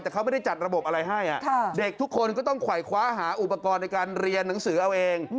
เต็มใบสายคว้าหาอุปกรณ์ในการเรียนหนังสือเอาเอง